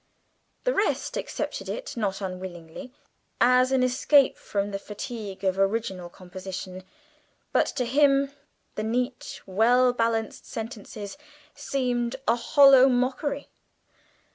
The rest accepted it not unwillingly as an escape from the fatigue of original composition, but to him the neat, well balanced sentences seemed a hollow mockery.